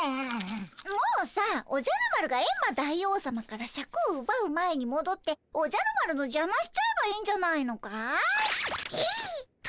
もうさおじゃる丸がエンマ大王さまからシャクをうばう前にもどっておじゃる丸のじゃましちゃえばいいんじゃないのかい？